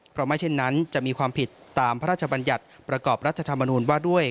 เพราะไม่เช่นนั้นจะมีความผิดตามพระราชบัญญัติประกอบรัฐธรรมนูญว่าด้วย